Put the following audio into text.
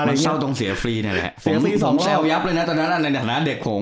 มันเศร้าตรงเสียฟรีนี่แหละผมแซวยับเลยนะตอนนั้นในฐานะเด็กผม